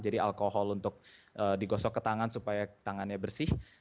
jadi alkohol untuk digosok ke tangan supaya tangannya bersih